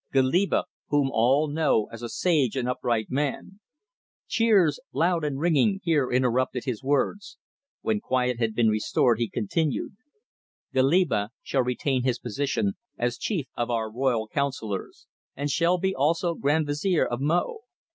Goliba, whom all know as a sage and upright man " Cheers, long and ringing, here interrupted his words. When quiet had been restored he continued: "Goliba shall retain his position as chief of our royal councillors, and shall be also Grand Vizier of Mo.